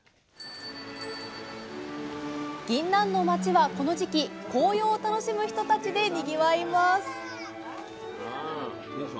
ぎんなんの町はこの時期黄葉を楽しむ人たちでにぎわいます